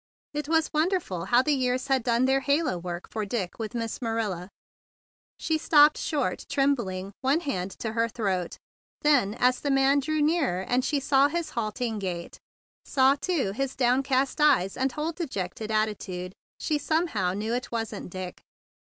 It was wonderful how the years had done their halo work for Dick with Miss Marilla. She stopped short, trembling, one hand to her throat. Then, as the man 21 THE BIG BLUE SOLDIER drew nearer and she saw his halting gait, saw, too, his downcast eyes and whole dejected attitude, she somehow knew it was not Dick.